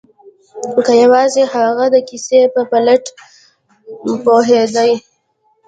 که یوازې هغه د کیسې په پلاټ پوهیدای